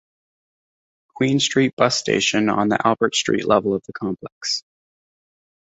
Queen Street Bus Station on the Albert Street level of the complex.